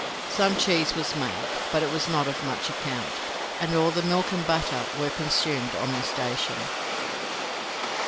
Some cheese was made, but it was not of much account, and all the milk and butter were consumed on the station.